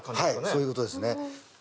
そういうことですね。